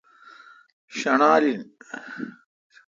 شݨال این۔